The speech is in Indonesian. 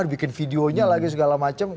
bikin videonya lagi segala macam